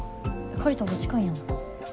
借りたほうが近いやん。